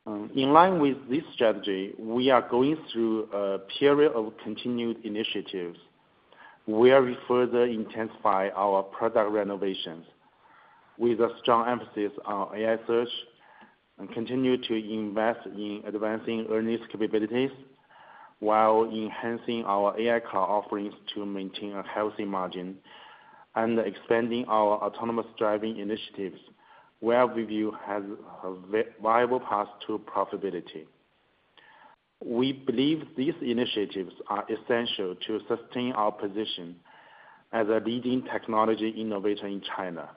Speaker 1: In line with this strategy, we are going through a period of continued initiatives where we further intensify our product renovations with a strong emphasis on AI search and continue to invest in advancing ERNIE's capabilities while enhancing our AI cloud offerings to maintain a healthy margin and expanding our autonomous driving initiatives, which we view as a viable path to profitability. We believe these initiatives are essential to sustain our position as a leading technology innovator in China.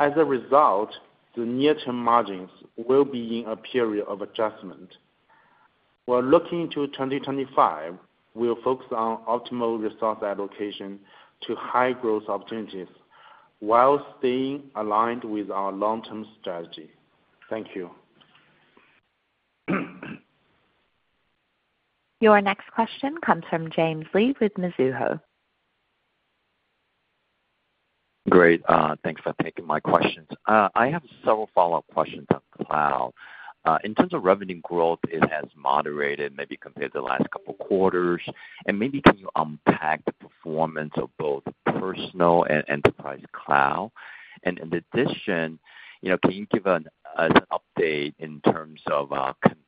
Speaker 1: As a result, the near-term margins will be in a period of adjustment. We're looking to 2025. We'll focus on optimal resource allocation to high-growth opportunities while staying aligned with our long-term strategy. Thank you. Your next question comes from James Lee with Mizuho.
Speaker 10: Great. Thanks for taking my questions. I have several follow-up questions on cloud. In terms of revenue growth, it has moderated maybe compared to the last couple of quarters. And maybe can you unpack the performance of both personal and enterprise cloud? And in addition, can you give us an update in terms of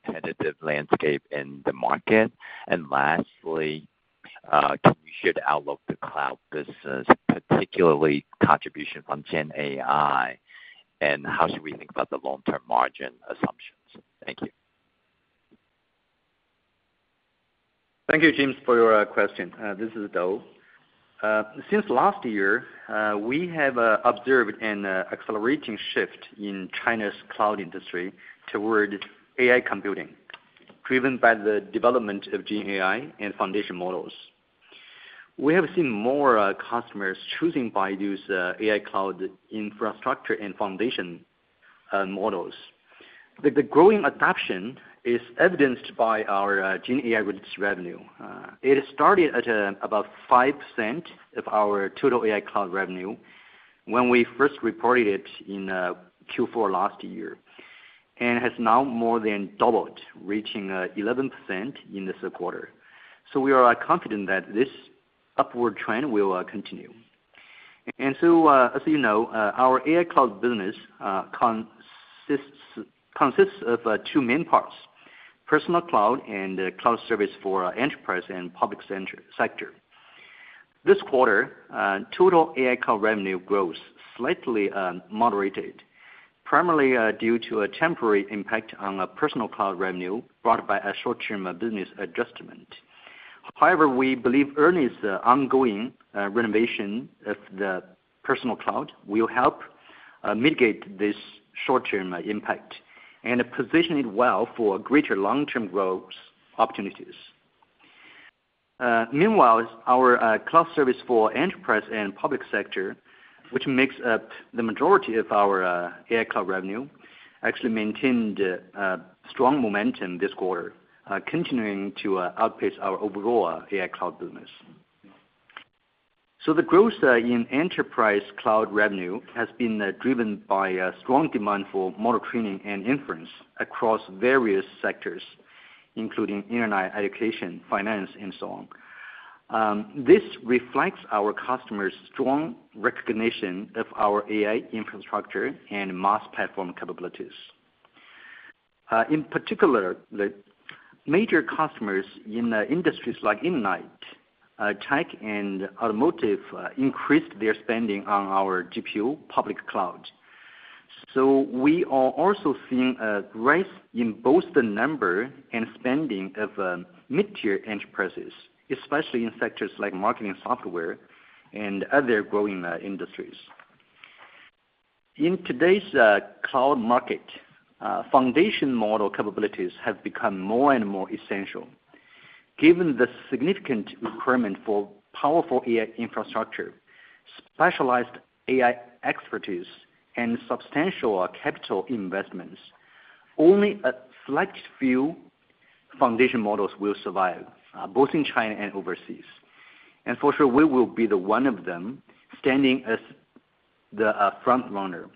Speaker 10: competitive landscape in the market? And lastly, can you share the outlook of the cloud business, particularly contribution from GenAI, and how should we think about the long-term margin assumptions? Thank you.
Speaker 6: Thank you, James, for your question. This is Dou. Since last year, we have observed an accelerating shift in China's cloud industry toward AI computing, driven by the development of GenAI and foundation models. We have seen more customers choosing Baidu's AI cloud infrastructure and foundation models. The growing adoption is evidenced by our GenAI release revenue. It started at about 5% of our total AI cloud revenue when we first reported it in Q4 last year and has now more than doubled, reaching 11% in this quarter. So we are confident that this upward trend will continue. And so, as you know, our AI cloud business consists of two main parts: personal cloud and cloud service for enterprise and public sector. This quarter, total AI cloud revenue growth slightly moderated, primarily due to a temporary impact on personal cloud revenue brought by a short-term business adjustment. However, we believe ERNIE's ongoing renovation of the personal cloud will help mitigate this short-term impact and position it well for greater long-term growth opportunities. Meanwhile, our cloud service for enterprise and public sector, which makes up the majority of our AI cloud revenue, actually maintained strong momentum this quarter, continuing to outpace our overall AI cloud business. So the growth in enterprise cloud revenue has been driven by strong demand for model training and inference across various sectors, including internet education, finance, and so on. This reflects our customers' strong recognition of our AI infrastructure and MaaS platform capabilities. In particular, major customers in industries like internet, tech, and automotive increased their spending on our GPU public cloud. So we are also seeing a rise in both the number and spending of mid-tier enterprises, especially in sectors like marketing software and other growing industries. In today's cloud market, foundation model capabilities have become more and more essential. Given the significant requirement for powerful AI infrastructure, specialized AI expertise, and substantial capital investments, only a select few foundation models will survive, both in China and overseas. For sure, we will be one of them standing as the front runner.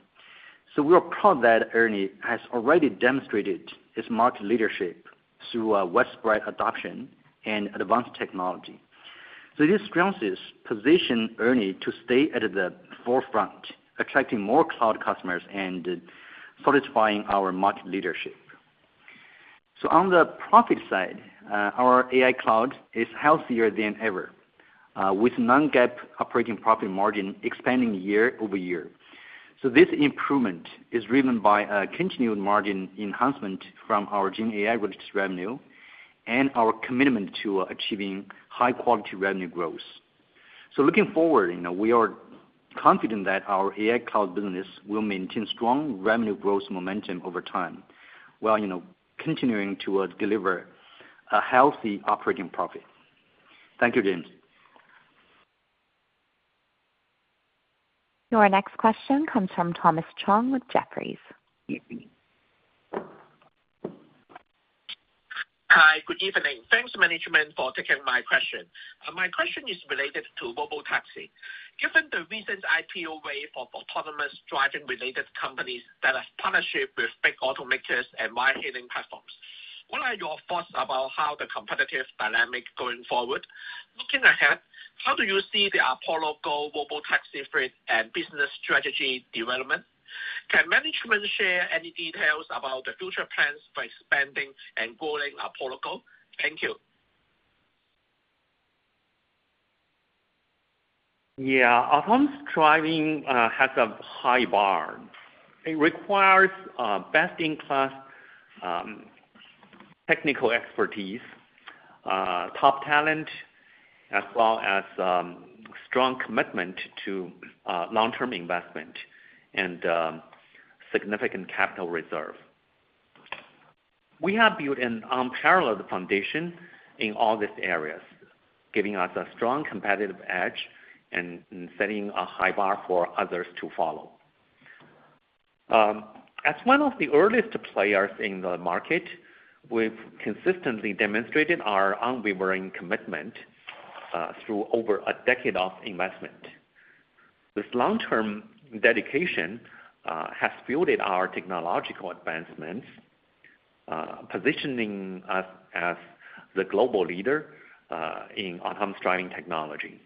Speaker 6: We are proud that ERNIE has already demonstrated its market leadership through widespread adoption and advanced technology. This grounds us, positions ERNIE to stay at the forefront, attracting more cloud customers and solidifying our market leadership. On the profit side, our AI cloud is healthier than ever, with non-GAAP operating profit margin expanding year over year. This improvement is driven by continued margin enhancement from our GenAI release revenue and our commitment to achieving high-quality revenue growth. Looking forward, we are confident that our AI cloud business will maintain strong revenue growth momentum over time while continuing to deliver a healthy operating profit. Thank you, James.
Speaker 1: Your next question comes from Thomas Chong with Jefferies.
Speaker 11: Hi, good evening. Thanks, management, for taking my question. My question is related to Robotaxi. Given the recent IPO wave of autonomous driving-related companies that have partnerships with big automakers and ride-hailing platforms, what are your thoughts about how the competitive dynamic is going forward? Looking ahead, how do you see the Apollo Go Robotaxi fleet and business strategy development? Can management share any details about the future plans for expanding and growing Apollo Go? Thank you.
Speaker 3: Yeah, autonomous driving has a high bar. It requires best-in-class technical expertise, top talent, as well as strong commitment to long-term investment and significant capital reserve. We have built an unparalleled foundation in all these areas, giving us a strong competitive edge and setting a high bar for others to follow. As one of the earliest players in the market, we've consistently demonstrated our unwavering commitment through over a decade of investment. This long-term dedication has fueled our technological advancements, positioning us as the global leader in autonomous driving technology.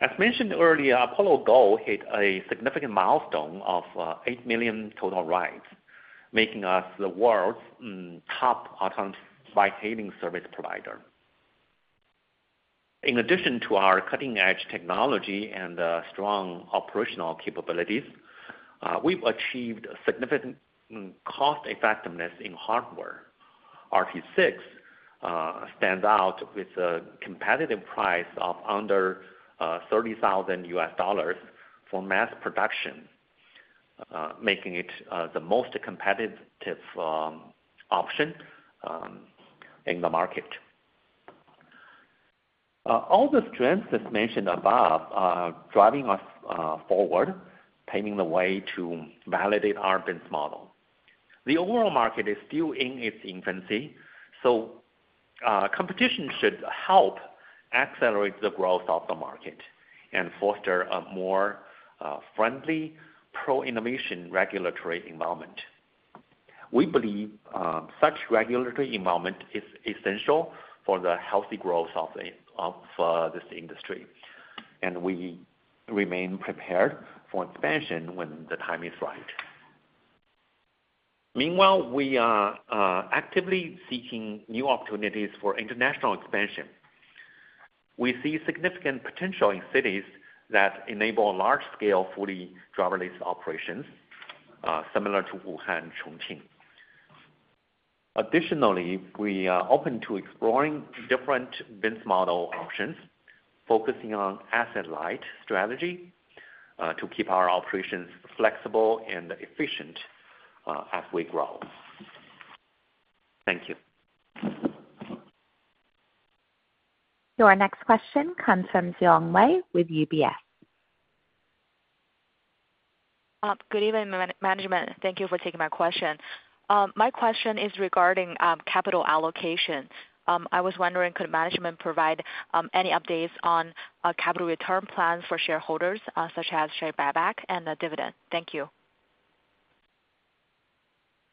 Speaker 3: As mentioned earlier, Apollo Go hit a significant milestone of 8 million total rides, making us the world's top autonomous ride-hailing service provider. In addition to our cutting-edge technology and strong operational capabilities, we've achieved significant cost-effectiveness in hardware. RT6 stands out with a competitive price of under $30,000 for mass production, making it the most competitive option in the market. All the strengths as mentioned above are driving us forward, paving the way to validate our business model. The overall market is still in its infancy, so competition should help accelerate the growth of the market and foster a more friendly, pro-innovation regulatory environment. We believe such regulatory environment is essential for the healthy growth of this industry, and we remain prepared for expansion when the time is right. Meanwhile, we are actively seeking new opportunities for international expansion. We see significant potential in cities that enable large-scale fully driverless operations, similar to Wuhan and Chongqing. Additionally, we are open to exploring different business model options, focusing on asset-light strategy to keep our operations flexible and efficient as we grow. Thank you.
Speaker 1: Your next question comes from Xiong Wei with UBS.
Speaker 12: Good evening, management. Thank you for taking my question. My question is regarding capital allocation. I was wondering, could management provide any updates on capital return plans for shareholders, such as share buyback and dividend? Thank you.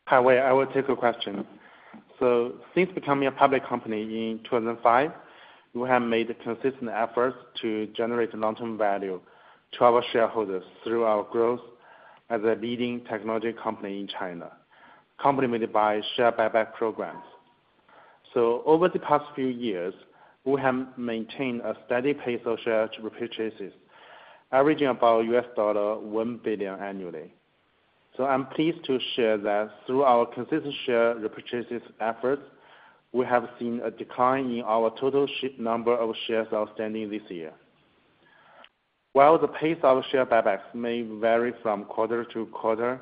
Speaker 4: Hi Wei, I will take your question. Since becoming a public company in 2005, we have made consistent efforts to generate long-term value to our shareholders through our growth as a leading technology company in China, complemented by share buyback programs. Over the past few years, we have maintained a steady pace of share repurchases, averaging about $1 billion annually. I'm pleased to share that through our consistent share repurchases efforts, we have seen a decline in our total number of shares outstanding this year. While the pace of share buybacks may vary from quarter to quarter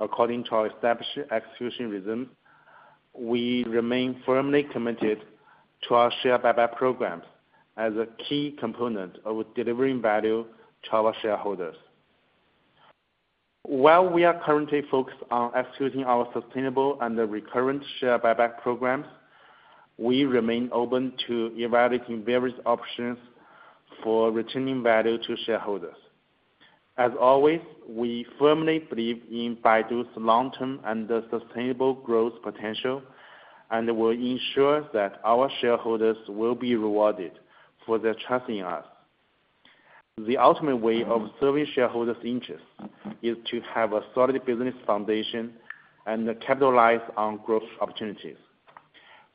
Speaker 4: according to our established execution rhythm, we remain firmly committed to our share buyback programs as a key component of delivering value to our shareholders. While we are currently focused on executing our sustainable and recurrent share buyback programs, we remain open to evaluating various options for returning value to shareholders. As always, we firmly believe in Baidu's long-term and sustainable growth potential and will ensure that our shareholders will be rewarded for their trust in us. The ultimate way of serving shareholders' interests is to have a solid business foundation and capitalize on growth opportunities.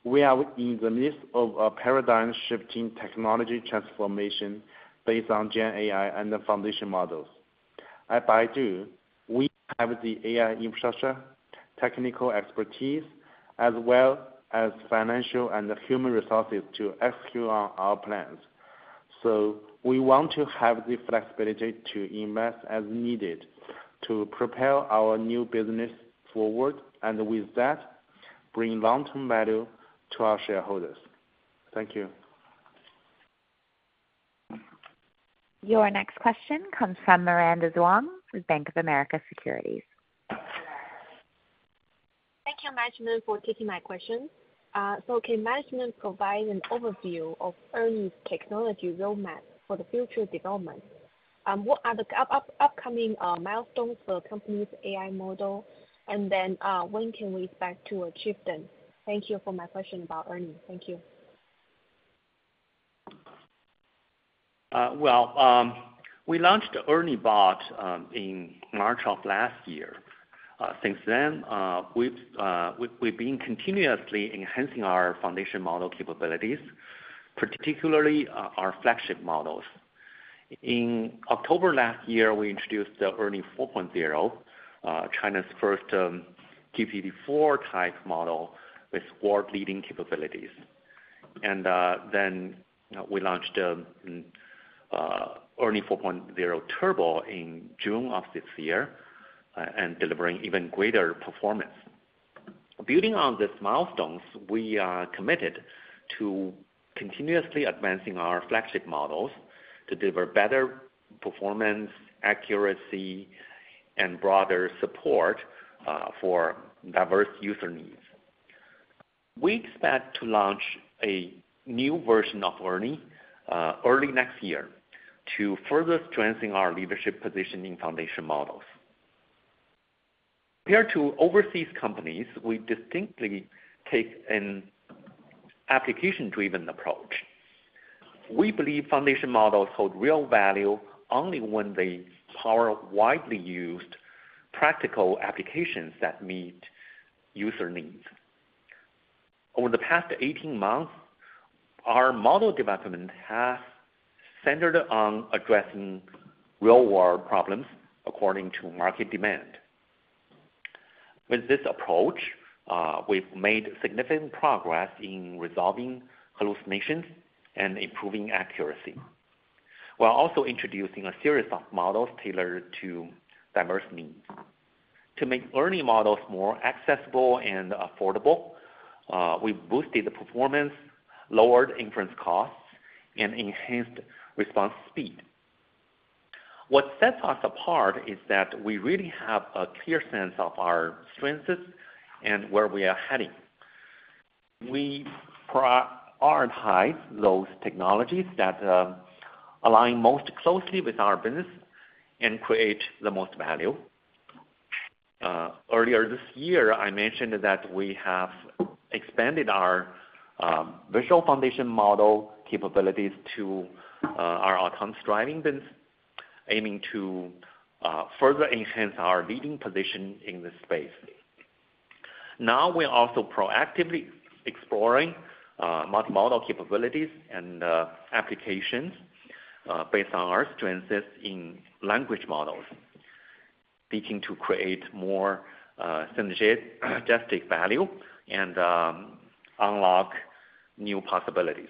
Speaker 4: We are in the midst of a paradigm-shifting technology transformation based on GenAI and foundation models. At Baidu, we have the AI infrastructure, technical expertise, as well as financial and human resources to execute on our plans. So we want to have the flexibility to invest as needed to propel our new business forward and, with that, bring long-term value to our shareholders. Thank you.
Speaker 1: Your next question comes from Miranda Zhuang with Bank of America Securities.
Speaker 13: Thank you, management, for taking my question. So can management provide an overview of ERNIE technology roadmap for the future development? What are the upcoming milestones for the company's AI model, and then when can we expect to achieve them? Thank you for my question about earnings. Thank you.
Speaker 3: Well, we launched ERNIE Bot in March of last year. Since then, we've been continuously enhancing our foundation model capabilities, particularly our flagship models. In October last year, we introduced the ERNIE 4.0, China's first GPT-4 type model with world-leading capabilities. And then we launched ERNIE 4.0 Turbo in June of this year, delivering even greater performance. Building on these milestones, we are committed to continuously advancing our flagship models to deliver better performance, accuracy, and broader support for diverse user needs. We expect to launch a new version of ERNIE early next year to further strengthen our leadership position in foundation models. Compared to overseas companies, we distinctly take an application-driven approach. We believe foundation models hold real value only when they power widely used practical applications that meet user needs. Over the past 18 months, our model development has centered on addressing real-world problems according to market demand. With this approach, we've made significant progress in resolving hallucinations and improving accuracy while also introducing a series of models tailored to diverse needs. To make ERNIE models more accessible and affordable, we've boosted the performance, lowered inference costs, and enhanced response speed. What sets us apart is that we really have a clear sense of our strengths and where we are heading. We prioritize those technologies that align most closely with our business and create the most value. Earlier this year, I mentioned that we have expanded our visual foundation model capabilities to our autonomous driving business, aiming to further enhance our leading position in this space. Now, we are also proactively exploring multimodal capabilities and applications based on our strengths in language models, seeking to create more synergistic value and unlock new possibilities.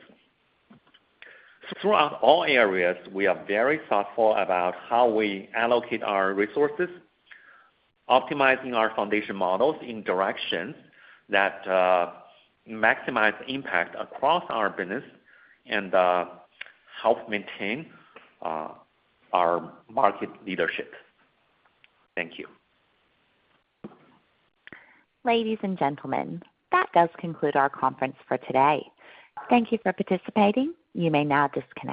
Speaker 3: Throughout all areas, we are very thoughtful about how we allocate our resources, optimizing our foundation models in directions that maximize impact across our business and help maintain our market leadership. Thank you.
Speaker 1: Ladies and gentlemen, that does conclude our conference for today. Thank you for participating. You may now disconnect.